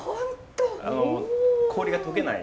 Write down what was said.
あの氷が解けない。